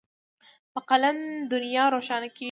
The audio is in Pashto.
په قلم دنیا روښانه کېږي.